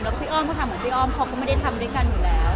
แล้วก็พี่อ้อมเขาทำเหมือนพี่อ้อมเขาก็ไม่ได้ทำด้วยกันอยู่แล้ว